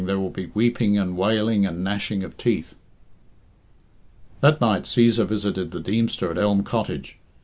there will be weeping and wailing and gnashing of teeth." That night Cæsar visited the Deemster at Elm Cottage.